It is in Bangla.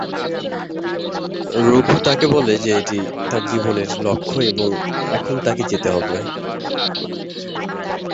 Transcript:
রঘু তাকে বলে যে এটি তাঁর জীবনের লক্ষ্য এবং এখন তাকে যেতে হবে।